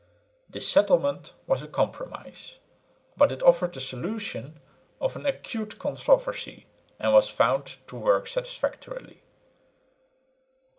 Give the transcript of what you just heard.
This settlement was a compromise, but it offered the solution of an acute controversy and was found to work satisfactorily.